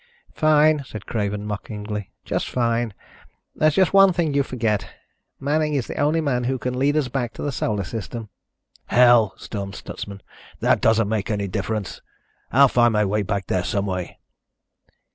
"Fine," said Craven, mockingly, "just fine. There's just one thing you forget. Manning is the only man who can lead us back to the Solar System." "Hell," stormed Stutsman, "that doesn't make any difference. I'll find my way back there some way."